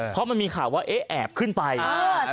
เพราะมันมีข่าวว่าเอ๊ะแอบขึ้นไปอ่า